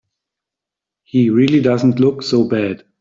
He really doesn't look so bad.